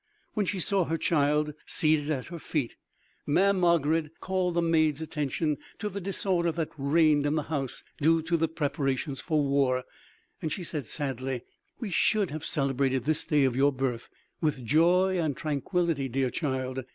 When she saw her child seated at her feet, Mamm' Margarid called the maid's attention to the disorder that reigned in the house due to the preparations for war, and she said sadly: "We should have celebrated this day of your birth with joy and tranquility, dear child!